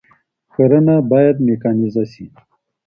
کرنه بايد ميکانيزه سي.